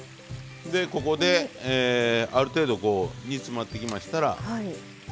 でここである程度煮詰まってきましたら菜の花。